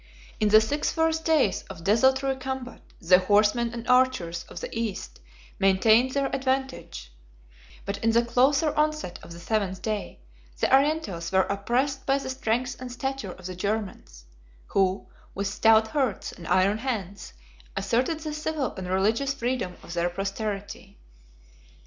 In the six first days of desultory combat, the horsemen and archers of the East maintained their advantage: but in the closer onset of the seventh day, the Orientals were oppressed by the strength and stature of the Germans, who, with stout hearts and iron hands, 31 asserted the civil and religious freedom of their posterity.